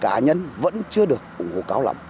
cả nhân vẫn chưa được ủng hộ cao lắm